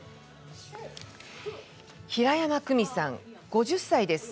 平山久美さん、５０歳です。